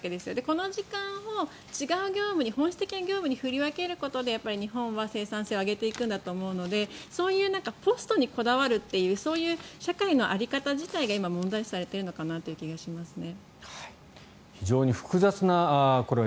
この時間を違う業務本質的な業務に振り分けることで日本は生産性を上げていくんだと思うのでそういうポストにこだわるっていう社会の在り方自体が今、問題視されているのかなという気がしますね。